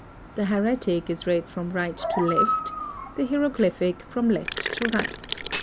The Hieratic is read from right to left, the Hieroglyphic from left to right.